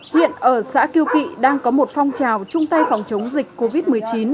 hiện ở xã kiều kỵ đang có một phong trào chung tay phòng chống dịch covid một mươi chín